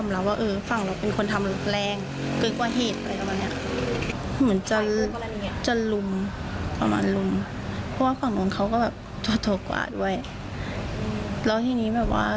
แล้วที่นี้